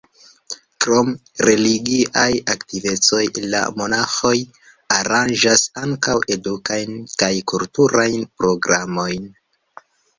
Krom religiaj aktivecoj la monaĥoj aranĝas ankaŭ edukajn kaj kulturajn programojn.